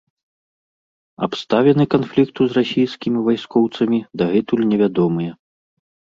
Абставіны канфлікту з расійскімі вайскоўцамі дагэтуль невядомыя.